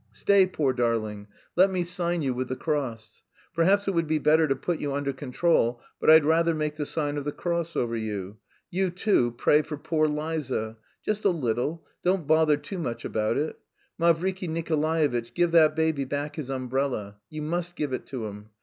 "Stay, poor darling, let me sign you with the cross. Perhaps, it would be better to put you under control, but I'd rather make the sign of the cross over you. You, too, pray for 'poor' Liza just a little, don't bother too much about it. Mavriky Nikolaevitch, give that baby back his umbrella. You must give it him.